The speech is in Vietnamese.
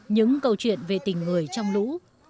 những câu chuyện về tình người trong lũ